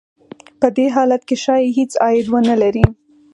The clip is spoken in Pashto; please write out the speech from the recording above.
په دې حالت کې ښايي هېڅ عاید ونه لري